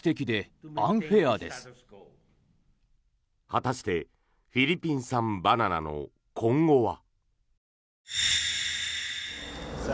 果たしてフィリピン産バナナの今後は。